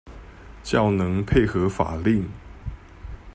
較能配合法令